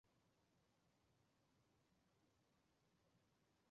校史馆仅对上级考察团及友好学校来访团及入学新生团体参观开放。